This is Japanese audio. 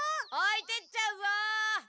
おいてっちゃうぞ！